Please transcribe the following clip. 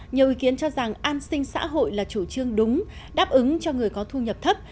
nhiều ý kiến cho rằng an sinh xã hội là chủ trương đúng đáp ứng cho người có thu nhập thấp